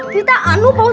kita anu paus